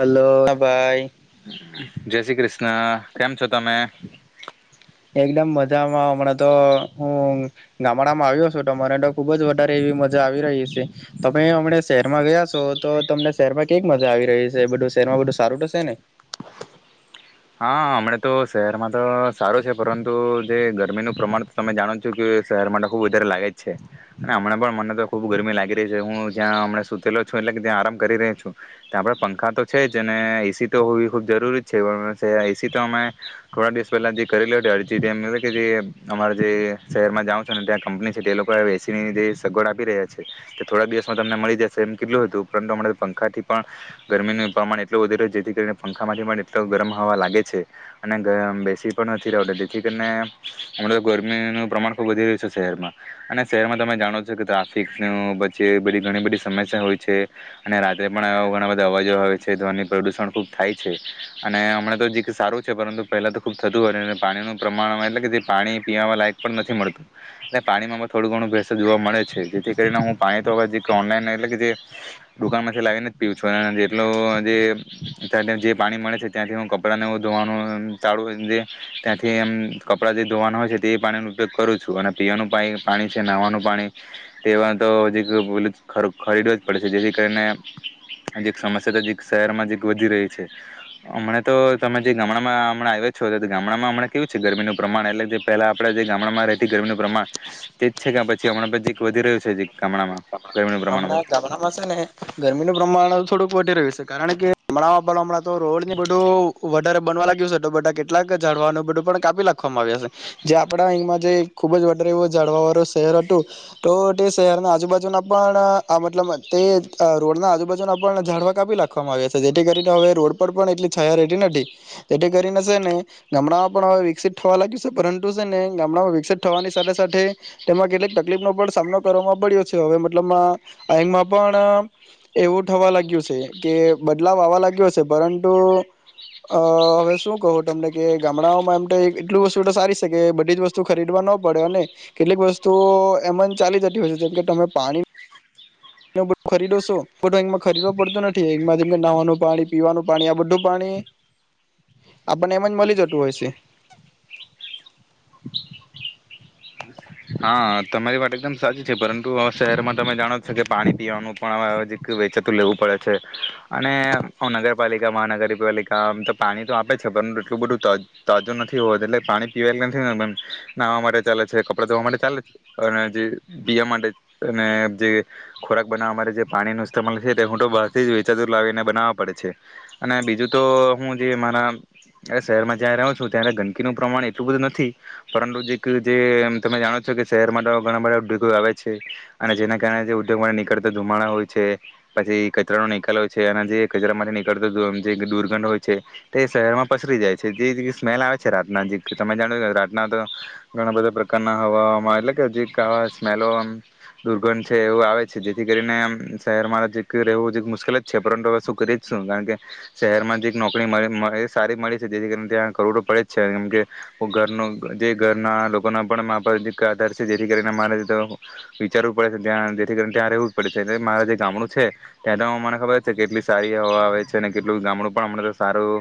Hello ભાઈ. હા કેમ છો તમે? એકદમ મજામાં હમણાં તો હું ગામડામાં આવ્યો છું તો મારે તો ખુબ જ વધારે એવી મજા આવી રહી છે. તમે હમણે શહેરમાં ગયા સો તો તમને શહેરમાં કેવીક મજા આવી રહી છે, બધું શહેરમાં બધું સારું તો સે ને? હા હમણા તો શહેરમાં તો સારું છે પરંતુ જે ગરમીનું પ્રમાણ તો તમે જાણો છો કે શહેરમાં તો ખૂબ વધારે લાગે જ છે અને હમણાં પણ મને તો ખૂબ ગરમી લાગી રહી છે. હું જ્યાં હમણા સુતેલો છું એટલે કે જ્યાં આરામ કરી રહી છું, ત્યાં આપણે પંખા તો છે જ અને એ સી તો હોવી ખૂબ જરૂરી જ છે પણ એસી તો અમે થોડા દિવસ પહેલા જે કરેલી અરજીમ કે જે અમારા જે શહેરમાં જાઉં છ ને ત્યાં કંપની છે તે લોકો એસી ની જે સગવડ આપી રહ્યા છે થોડા દિવસમાં તમને મળી જશે એમ કેટલું હતું પરંતુ અમારે પંખા થી પણ ગરમીનું પ્રમાણ એટલું વધી રહ્યું છે જેથી કરીને પંખામાંથી પણ એટલો ગરમ હવા લાગે છે અને ગ બેસી પણ નથી રહેવાતું જેથી કરીને હમણાં તો ગરમીનું પ્રમાણ ખૂબ વધી રહ્યું છે શહેરમાં અને શહેરમાં તમે જાણો છો કે ટ્રાફિકનું વચ્ચે બધી ઘણી બધી સમસ્યા હોય છે અને રાત્રે પણ આવા ઘણા બધા અવાજો આવે છે, ધ્વની પ્રદૂષણ ખૂબ થાય છે. અને તો જે સારું છે પરંતુ પહેલા તો ખુબ થતું હોય પાણીનું પ્રમાણ એટલે કે જે પાણી પીવાવા લાયક પણ નથી મળતું એ પાણીમાં થોડું ઘણું ભેસ જોવા મળે છે જેથી કરીને હું પાણી તો ઓનલાઈન એટલે કે જે દુકાનમાંથી લાવીને જ પીઉ છું એટ જે ત જે પાણી મળે છે ત્યાંથી હું ક કપડાને ધોવાનું તાળું ત્યાંથી એમ કપડાં જે ધોવાના હોય છે તે પાણીનો ઉપયોગ કરું છું અને પીવાનું પા પાણી છે નહવાનું પાણી તે તો હજીક પલું ખરીદવ જ પડે છે જેથી કરીનેજી સમસ્યા તો શહેરમાં જે વધી રહી છે હમણા તો તમે જે ગામડામાં હમણા આવ્યા છો તો તે ગામડામાં હમણા કેવું છે ગરમીનું પ્રમાણ એટલે કે જે પહેલા આપણેે જે ગામડામાં રહેતી ગરમીનું પ્રમાણ, તેજ છે કે પછી હમણાં પછીક વધી રહ્યું છે જીક ગામડામાં? ગરમીનું પ્રમાણમાં હમણાં ગામડામાં છે ને ગરમીનું પ્રમાણ થોડુંક વધી રહ્યું છે કારણ કે ગામડાં પણ હમણાં તો રોડ ને બધું વધારે બનવા લાગ્યું છે તો બધા કેટલાક ઝાડવાનું બધું પણ કાપી નાખવામાં આવ્યા છે જે આપડા અહીંમાં જે ખુબ જ વધારે એવું ઝાડવા વાળું શહેર હતું તો તે શહેરને આજુબાજુના પણ આ મતલબ તે રોડના આજુબાજુના પણ ઝાડવા કાપી નાખવામાં આવ્યા છે જેથી કરીને હવે રોડ પર પણ એટલી છાયા રહેતી નથી, તેથી કરીને સે ને ગામડામાં પણ હ વિકસિત થવા લાગ્યું છે પરંતુ છે ને ગામડામાં વિકસિત થવાની સાથે સાથે તેમાં કેટલીક તકલીફ નો પણ સામનો કરવામાં પડ્યો છે, હવે એમાં પણ એવું થવા લાગ્યું છે કે બદલાવ આવવા લાગ્યો છે પરંતુ અહ હવે શું કહો તમને કે ગામડાઓમાં એમ થાય કેટલું વસ્તુ તો સારી છે કે બધી જ વસ્તુ ખરીદવા ન પડે અને કેટલીક વસ્તુઓ એમ જ ચાલી જતી હોય છે, જેમ કે તમે પાણી એ બ ખરીદો છો બ અમાં ખરીદવો પડતું નથી એમાં જેમ કે નાહવાનું પાણી પીવાનું પાણી આ બધું પાણી આપણને એમ જ મળી જતું હોય છે. હા તમારી માટેત એકદમ સાચી છે પરંતુ શહેરમાં તમે જાણો છો કે પાણી પીવાનું પણજી વેચાતું લેવું પડે છે અને નગરપાલિકા મહાનગરપાલિકામ તો પાણી તો આપે છે પરંતુ એટલું બધું તાજું નથી હોત એટલે પાણી પીવાટલે નથી નાવા માટે ચાલે છે. આપડ તો અ ચાલે અને જે પીવા માટે અને જે ખોરાક બનાવવા માટે જે પાણી નમાલ છે તે હું તો બહારથી જ વેચાતુર લાવીને બનાવવા પડે છે અને બીજું તો હું જે મારા શહેરમાં જ્યાં રહું છું ત્યાં ગંદકીનુંું પ્રમાણ એટલું બધું નથી પરંતુ જે જે. તમે જાણો છો કે શહેરમાં તો ઘણા બધા ઉદ્યોગો આવે છે અને જેના કારણે જે ઉદ્યોગ માટે નીકળતા ધુમાડા હોય છે પછી કચરાનો નિકાલ હોય છે અને જે કચરા માટે નીકળતો જે દુર્ગંધ હોય છે તે શહેરમાં પસરી જાય છે જે સ્મેલ આવે છે રાતના જે તમે જાણો છો રાતના તો ઘણા બધા. હવામાં એટલે કે જે આ સ્મેલો દુર્ગંધ છે એવું આવે છે જેથી કરીને શહેરમાં જે રહેવું મુશ્કેલ જ છે પરંતુ હવે શું કરી જ છું કારણ કે શહેરમાં જે નોકરી મળ એ સારી મળે છે જેથી કરીને ત્યાં કરોડો પડે જ છે કેમકે ઘરનું જે ઘરના લોકોના. પણ આધાર છે જેથી કરીને મારે વિચારવું પડે છે ત્યા જેથી કરીને ત્યાં રહેવું પડે છે મારા જે ગામડું છે ત્યાં તો મને ખબર છે કેટલી સારી હવા આવે છે અને કેટલું ગામડું પણમ સારું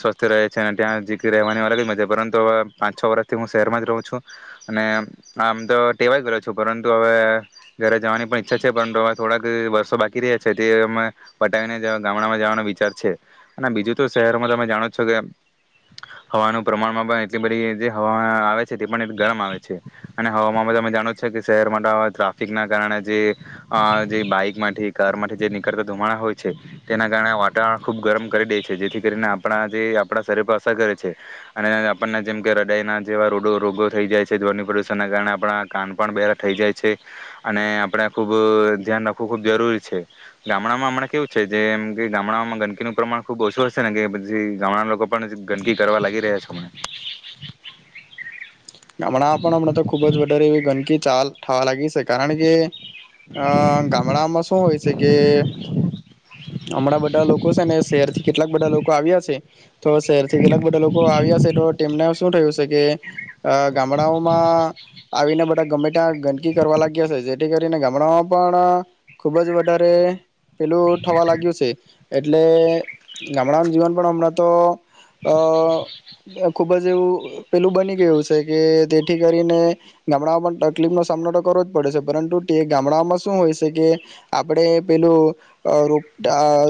સ્વસ્થ રહે છે અને ત્યાં જી રવાની અલગ જ મજ પરંતુ હવે પાંચ છ વર્ષથી હું શહેરમાં જ રહું છું. અને આમ તો ટેવા જ ગલો છું પરંતુ હવે ઘરે જવાની પણ ઈચ્છા છે પરંતુ હવે થોડાક વર્ષો બાકી રહ્યા છે તે અમે પટાવીને ગામડામાં જવાનો વિચાર છે અને બીજું તો શહેરમાં તમે જાણો છો કે હવાનું પ્રમાણમાં પણ એટલી બધી જે હવામાં આવે છે. આવે અને હ તમે જાણો છો કે શહેરમાં ટ્રાફિક ના કારણે જે બાઈક માટેથી કાર માટે જે નીકળતા ધુમાણા હોય છે તેના કારણે વાતાવરણ ખુબ ગરમ કરી દે છે જેથી કરીને આપણા જે આપણા શરીર પર અસર કરે છે અને આપણને જેમ કે રડાઈના જેવા રોડો. રોગો થઈ જાય છે ધર પ્રદુષણ ના કારણે આપણા કાન પણ બારા થઈ જાય છે અને આપણે ખુબ ધ્યાન રાખવું ખૂબ જરૂરી છે ગામડામાં હણાં કેવું છે જેમ કે ગામડામાં ગંદકીનું પ્રમાણ ખુબ ઓછું હશે ને કે પછી ગામડા લોકો પણ ગંદકી કરવા લાગી રહ્યા છે. હમણાં પણ હમણાં તો ખુબ જ વધારે એવી ગંદકી ચાલ થઠાવા લાગીશ. કારણ કે અ ગામડામાં શું હોય છે કે હમણાં બધા લોકો છે ને શહેર. થી કેટલાક બધા લોકો આવ્યા છે. તો શહેર થી કેટલાક બધા લોકો આવ્યા છે તો તેમને શું થયું છે કે. ગામડાઓમાં આવીને બધા ગમે ત્યાં ગંદકી કરવા લાગ્યા છે જેથી કરીને ગામડાઓમાં પણ ખુબ જ વધારે. પેલું થવા લાગ્યું છે. એટલે ગામડાનું જીવન પણ હમણાં તો. અ. ખુબ જ એવું પેલું બની ગયું છે. કે તેથી કરીને ગામડામાં પણ તકલીફનોો સામનો તો કરવો જ પડે છે પરંતુ તે ગામડામાં શું હોય છે કે આપણે પેલું ર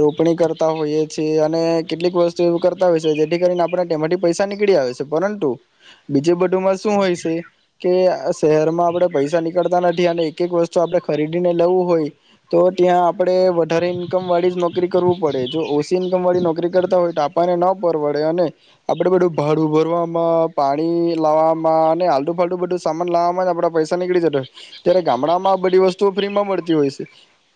રોપણી કરતા હોઈએ છે અને કેટલીક વસ્તુ એ કરતા હોય છે જેથી કરીને આપણે તેમાંથી પૈસા નીકળી આવે છે પરંતુ બીજુંધું. શું હોય છે કે શહેરમાં આપણે પૈસા નીકળતા નથી અને એક એક વસ્તુ આપણે ખરીદીને લવું હોય તો ત્યાં આપડે વધારે ઇન્કમ વાળી જ નોકરી કરવું પડે જો ઓસીી ઇન્કમ વાળી નોકરી કરતા હોય ટાપાને ન પરવડે અને આપડે બધું ભાડું ભરવામાં પાણી. લાવવામાં અને હલડુ ફાડુ બધું સામાન લાવવામાં આપડા પૈસા નીકળી જતા હોય ત્યારે ગામડામાં આ બધી વસ્તુઓ ફ્રીમાં મળતી હોય છે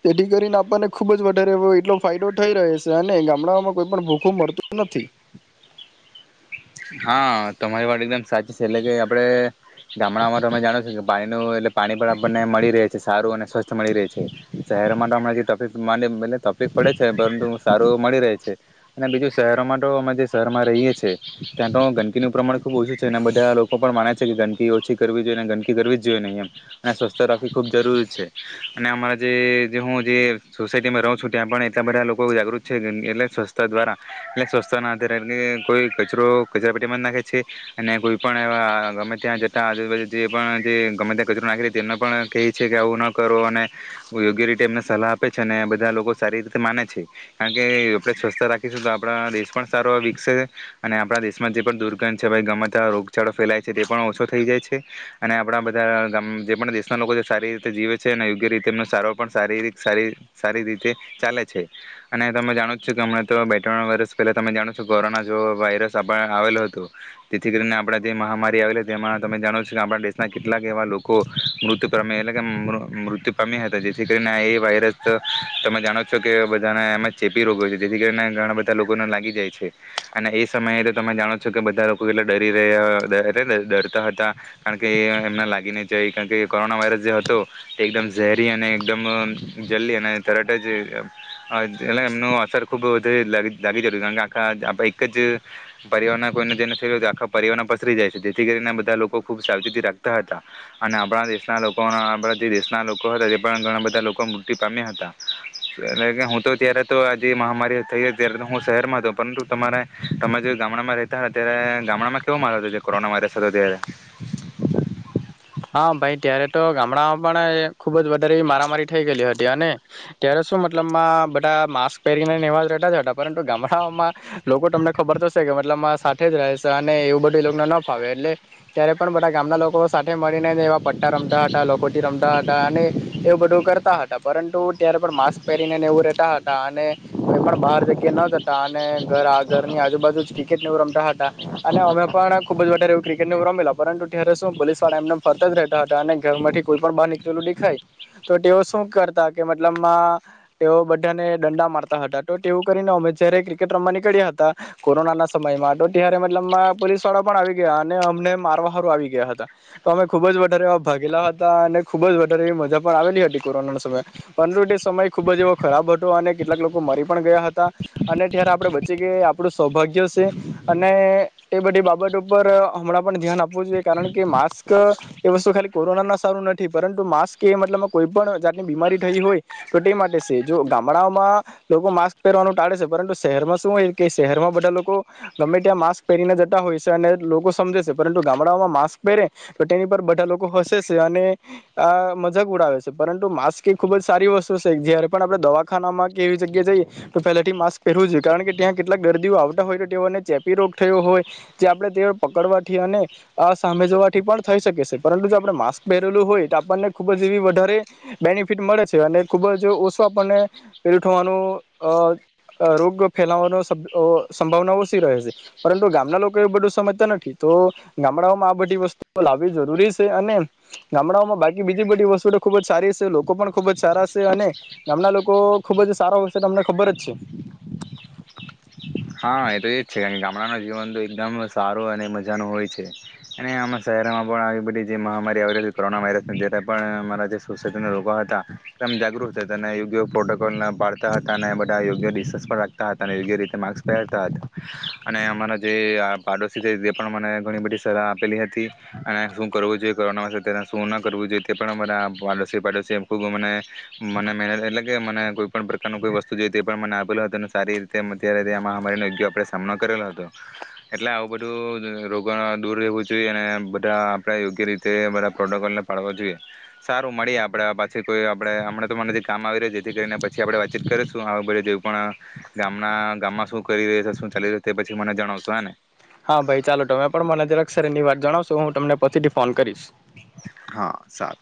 તેથી કરીને આપણને ખુબ જ વધારે એટલો ફાયદો થઈ રહે છે અને ગામડામાં કોઈ પણ ભૂખું મળતું નથી. હા તમારી વાત એકદમ સાચી છે એટલે કે આપણે ગામડામાં તો તમે જાણો છો કે પાણીનું એટલે પાણી પણ આપણને મળી રહે છે સારું અને સ્વસ્થ મળી રહે છે શહેરો માટે તો હમણાં જેક એટ તફીક પડે છે પરંતુ સારું મળી રહે છે અને બીજું શહેરોમાં તો અમે જે શહેરમાં રહીએ છીએ. છે. ગંદકીનું પ્રમાણ ખૂબ ઓછું છે અને બધા લોકો પણ માને છે કે ગંદકી ઓછી કરવી જોઈએ ને ગંદકી કરવી જ જોઈએ નહીં એમ અને સ્વસ્થ રાખવી ખૂબ જરૂરી છે અને અમારા જે જે હું જે સોસાયટીમાં રહું છું ત્યાં પણ એટલા બધા લોકો જાગૃત છેંદ એટલે સ્વસ્થતા દ્વારા એટલે સ્વસ્થછ ના ધારે એટ કે કોઈ કચરો. કચરા પેટીમાં નાખે છે અને કોઈ પણ એ ગમે ત્યાં જતા આજુબાજુ જે પણ જે ગમે ત્યાં કચરો નાખે એને પણ કહે છે કે આવું ન કરવો અને યોગ્ય રીતે એમને સલાહ આપે છે અને બધા લોકો સારી રીતે માને છે કારણ કે આપણે સ્વચ્છ રાખીશું તો આપણા દેશ પણ સારો વિકસે છે અને આપણા દેશ. દેશમાં જે પણ દુર્ગંધ છેાઈ ગમેતતા રોગચાળો ફેલાય છે તે પણ ઓછો થઈ જાય છે અને આપણા બધા જે પણ દેશના લોકો સારી રીતે જીવે છે અને યોગ્ય રીતે એમનો સારવાો પણ શારીરિક સારી સારી રીતે ચાલે છે અને તમે જાણો છ કે હમણાં તો બે ત્રણ વર્ષ પહેલા તમે જાણો છો કોરોના જો વાયરસ. જેથી કરીને આપણા જે મહામારી આવેલી તેમાં તમે જાણો છો કે આપણા દેશના કેટલાક એવા લોકો મૃત્યુ પામ એટલે મૃત્યુ પામ્યા હતા જેથી કરીને એ વાયરસ તમે જાણો છો કે બધાના એમાં ચેપી રોગ હો છે જેથી કરીને ઘણા બધા લોકોને લાગી જાય છે અને. સમયે તો તમે જાણો છો કે બધા લોકો એટલા ડરી રહ્યા ડરતા હતા કારણ કે એ એમને લાગીને જાય કારણ કે કોરોના વાયરસ જે હતો તે એકદમ ઝેરી અને એકદમ જલ્દી અને તરત જ એટ એમનું અસર ખૂબ વધુ લાગી જતી કારણ કે આખા આપ એક જ. પરિવારના કોઈનેને થ આખા પરિવારના પસરી જાય છે જેથી કરીને બધા લોકો ખૂબ સાવચેતી રાખતા હતા અને આપણા દેશના લોકો આપણા જે દેશના લોકો હતા તે પણ ઘણા બધા લોકો મૃત્યુ પામ્યા હતા એટલે કે હું તો ત્યારે તો આ જે મહામારી થઈ ત્યારે તો હું શહેરમાં હતો પરંતુ તમારા. તમે જે ગામડામાં રતા હતા ત્યારે ગામડામાં કેવો માર હતો કોરોના વાયરસ હતો ત્યારે. હા ભાઈ ત્યારે તો ગામડામાં પણ ખુબ જ વધારે મારામારી થઈ ગયેલી હતી અને ત્યારે શું મતલબમાં બધા માસ્ક પહેરીનેવા રહેતા જ હતા પરંતુ ગામડાઓમાં લોકો તમને ખબર તોશે કે મતલબ સાથે જ રહે છે અને એવું બધુંને ન ફાવે એટલે ત્યારે પણ બધા ગામના લોકો. એવા પટ્ટા રમતા હતા લોકોજી રમતા હતા અને એવું બધું કરતા હતા પરંતુ ત્યારે પણ માસ્ક પહેરીને ને એવું રતા હતા અને કોઈ પણ બહાર જગ્યા ન જતા અને ઘર આ ઘરની આજુબાજુ જ ક્રિકેટ ને એવું રમતા હતા અને અમે પણ ખુબ જારે એવું ક્રિકેટ નેવું રમેલા પરંતુ ત્યારે શું પોલીસ. પણ એમને ફરતા જ રહેતા હતા અને ઘર માંથી કોઈ પણ બહાર નીકળેલું દેખાય તો તેઓ શું કરતા કે મતલબ તેઓ બધાને દંડા મારતા હતા તો તેવું કરીને અમે જયારે ક્રિકેટ રમવા નીકળ્યા હતા કોરોના ના સમયમાં તો ત્યારે મતલબ પોલીસ વાળા પણ આવી ગયા અને અમને મારવાહાર આવી ગયા હતા. તો અમે ખુબ જ વધારે એવા ભાગેલા હતા અને ખુબ જ વધારે એવી મજા પણ આવેલી હતી કોરોના સમયે પરંતુ તે સમય ખુબ જ એવો ખરાબ હતો અને કેટલાક લોકો મરી પણ ગયા હતા અને ત્યારે આપણે બચી ગઈ આપણું સૌભાગ્ય છે અને એ બધી બાબત ઉપર હમણાં પણ ધ્યાન આપવું જોઈએ કારણ કે. માસ્ક એ વસ્તુ ખાલી કોરોના ના સારું નથી પરંતુ માસ્ક એ મતલબ કોઈ પણ જાતની બીમારી થઈ હોય તો તે માટે છે જો ગામડાઓમાં લોકો માસ્ક પહેરવાનું ટાળે છે પરંતુ શહેરમાં શું હોય કે શહેરમાં બધા લોકો ગમે ત્યાં માસ્ક પહેરીને જતા હોય છે અને લોકો સમજે છે પરંતુ ગામડાઓમાં માસ્ક. પહેરે તો તેની પર બધા લોકો હસે છે અને આ મજાક ઉડાવે છે પરંતુ માસ્ક એ ખુબ જ સારી વસ્તુ છે જયારે પણ આપડણે દવાખાનામાં કે એવી જગ્યા જઈએ તો પહેલાથી માસ્ક પહેરવું જોઈએ કારણ કે ત્યાં કેટલાક દર્દીઓ આવતા હોય તો તેઓને ચેપી રોગ થયો હોય જે આપણે તેઓ પકડવાથી અને. સાવાથી પણ થઈ શકે છે પરંતુ જો આપણે માસ્ક પહેરેલું હોય તો આપણને ખુબ જ એવી વધારે બેનિફિટ મળે છે અને ખુબ જ ઓછો આપણને પહેરું થવાનું રોગ ફેલાવાનો સંભાવના ઓછી રહે છે પરંતુ ગામના લોકો એવું બધું સમજતા નથી તો ગામડાઓમાં. બધી વસ્તુ લાવવી જરૂરી છે અને ગામડાઓમાં બાકી બીજી બધી વસ્તુ તો ખુબ જ સારી છે લોકો પણ ખુબ જ સારા છે અને ગામડા લોકો ખુબ જ સારો તમને ખબર જ છે. હા એ તો એ જ છે કારણ કે ગામડાનું જીવન તો એકદમ સારું અને મજા ન હોય છે અને આમાં શહેરમાં પણ આવી બધી જે મહામારી આવી ર હતી કોરોના વાયરસ જ્યારે પણ અમારા જે સુજ રોગ હતામ જાગૃત થ હતા યોગ્ય પ્રોટોકોલ પાડતા હતા બધા યોગ્યિન્ રાખતા હતાયોગ્ય રીતે મા. પહેરતા હતા અને અમારા જે આ પાડોશી છે તે પણ મને ઘણી બધી સલાહ આપેલી હતી અને શું કરવું જોઈએ કોના વના શું ન કરવું જોઈએ તે પણ અમારા પાડોશી પાડોશી ખૂબ મને. મને મેને એટ. કે મને કોઈ પણ પ્રકારનું કોઈ વસ્તુ જોઈ તે પણ મને આપેલ હતું અને સારી રીતે અ્યારે. આ મહામારીનો યોગ્ય આપણે સામનો કરેલો હતો એટલે આવું બધું રોગો દૂર રહેવું જોઈએ અને બધા આપણે યોગ્ય રીતે બધા પ્રોટોકોલને ફડવા જોઈએ સારું મળીએ આપણે પાછી કોઈ આપણે હમણાં તો મનેથી કામ આવી રહ્યા જેથી કરીને પછી આપણે વાતચીત કરીશું આવું બધ જે પણ ગામના. ગામમાં શું કરી રહ્યા છે શું ચાલી રહ્યું છે તે પછી મને જણાવશો હે ને. હા ભાઈ ચાલો તમે પણ મને જે અક્ષર એની વાત જણાવશો હું તમને પછીથી ફોન કરીશ. હા સારું.